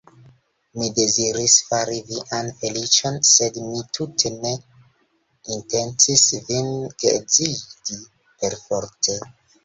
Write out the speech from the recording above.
Mi deziris fari vian feliĉon, sed mi tute ne intencis vin geedzigi perforte.